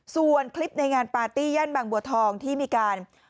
ส่วนคลิปในงานปาร์ตี้ย่านบางบัวทองที่มีการ